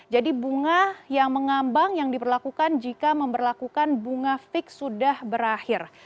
jadi bunga yang mengambang yang diperlakukan jika memberlakukan bunga fix sudah berakhir